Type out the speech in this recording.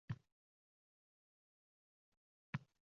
lekin bizning salohiyatimiz undan koʻprogʻini qilishga ham yetarli.